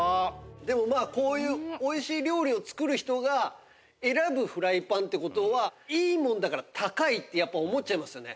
でもまあこういう美味しい料理を作る人が選ぶフライパンって事はいいものだから高いってやっぱ思っちゃいますよね。